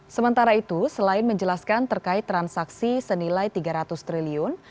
sementara itu selain menjelaskan terkait transaksi senilai tiga ratus triliun